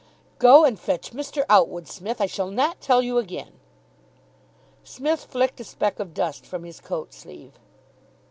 "Go and fetch Mr. Outwood, Smith. I shall not tell you again." Psmith flicked a speck of dust from his coat sleeve.